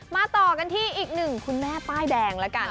ต่อกันที่อีกหนึ่งคุณแม่ป้ายแดงแล้วกัน